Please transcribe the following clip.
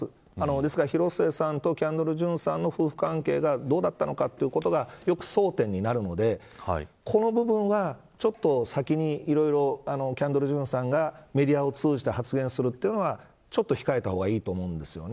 ですから広末さんとキャンドル・ジュンさんの夫婦関係がどうだったのかということがよく争点になるのでこの部分は、先にいろいろキャンドル・ジュンさんがメディアを通じて発言するというのはちょっと控えた方がいいと思うんですよね。